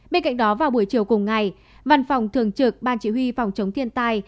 bên cạnh đó vào buổi chiều cùng ngày văn phòng thường trực ban chỉ huy phòng chống thiên tai